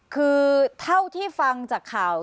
คือเท่าที่ฟังจากข่าว